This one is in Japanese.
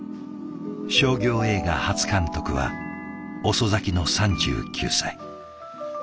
商業映画初監督は遅咲きの３９歳。